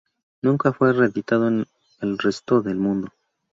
Nunca fue re-editado en el resto del mundo.